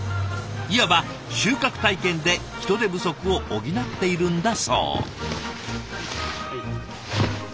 いわば収穫体験で人手不足を補っているんだそう。